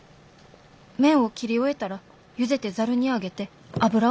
麺を切り終えたらゆでてざるにあげて油をまぶしておく。